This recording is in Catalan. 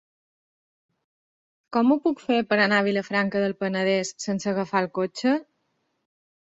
Com ho puc fer per anar a Vilafranca del Penedès sense agafar el cotxe?